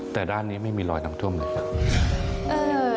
แต่ด้านนี้ไม่มีรอยน้ำท่วมเลยครับ